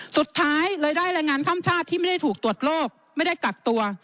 สุดท้ายเลยได้แรงงานข้ามชาติที่ไม่ได้ถูกตรวจโรคไม่ได้กักตัว